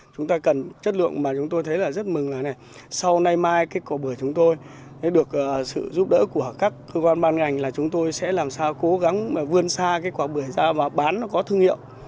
chúng ta cần chất lượng mà chúng tôi thấy là rất mừng là sau nay mai cái quả bưởi chúng tôi được sự giúp đỡ của các cơ quan ban ngành là chúng tôi sẽ làm sao cố gắng vươn xa cái quả bưởi da và bán nó có thương hiệu